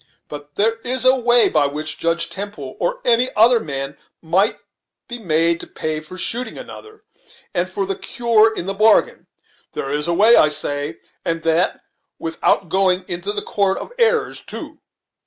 But there is a way by which Judge Temple, or any other man, might be made to pay for shooting another, and for the cure in the bargain. There is a way, I say, and that without going into the 'court of errors,' too."